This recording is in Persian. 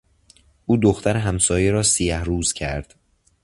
او دختر همسایه را سیه روز کرد.